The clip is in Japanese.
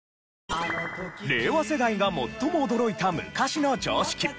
令和世代が最も驚いた昔の常識。